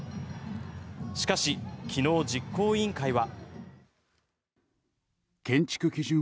しかし昨日、実行委員会は。